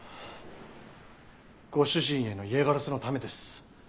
ご主人への嫌がらせのためです。